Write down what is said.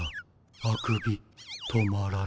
あくび止まらない。